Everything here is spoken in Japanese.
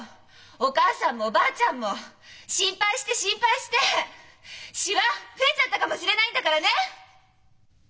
お母さんもおばあちゃんも心配して心配してシワ増えちゃったかもしれないんだからね！